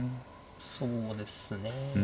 そうですねえ。